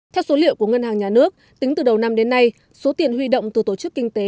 theo số liệu của ngân hàng nhà nước tính từ đầu năm đến nay số tiền huy động từ tổ chức kinh tế